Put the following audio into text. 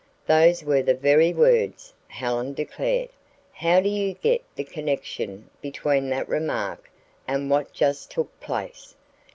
'" "Those were the very words," Helen declared. "Now do you get the connection between that remark and what just took place?